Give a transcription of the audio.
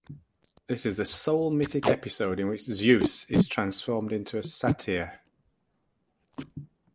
This is the sole mythic episode in which Zeus is transformed into a satyr.